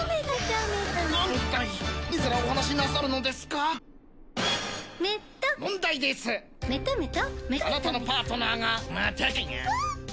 あなたのパートナーが。